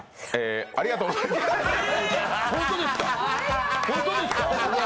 ありがとうございました。え！？